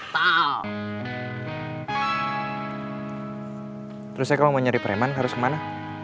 terus saya kalau mau nyari preman harus ke mana